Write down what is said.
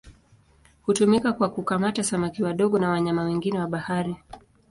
Hutumika kwa kukamata samaki wadogo na wanyama wengine wa bahari.